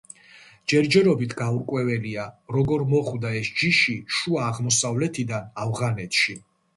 ჯერჯერობით გაურკვეველია, როგორ მოხვდა ეს ჯიში შუა აღმოსავლეთიდან ავღანეთში.